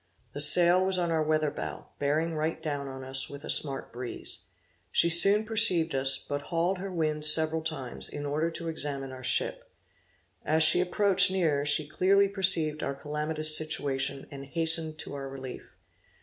The sail was on our weather bow, bearing right down on us with a smart breeze. She soon perceived us, but hauled her wind several times, in order to examine our ship. As she approached nearer she clearly perceived our calamitous situation, and hastened to our relief.